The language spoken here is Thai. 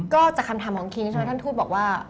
ก็จากคำถามของคิงใช่ไหมท่านทูตบอกว่า